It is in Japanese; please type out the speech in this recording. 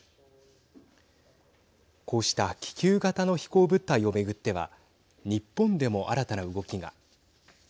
こうした気球型の飛行物体を巡っては日本でも新たな動きが。